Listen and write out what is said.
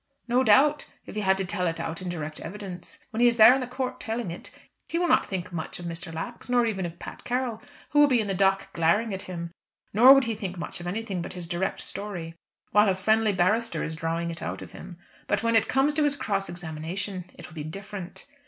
"No doubt, if he had to tell it out in direct evidence. When he is there in the court telling it, he will not think much of Mr. Lax, nor even of Pat Carroll, who will be in the dock glaring at him; nor would he think much of anything but his direct story, while a friendly barrister is drawing it out of him; but when it comes to his cross examination, it will be different.